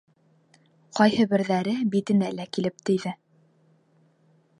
Ҡайһы берҙәре битенә лә килеп тейҙе.